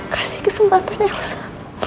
kasih kesempatan elsa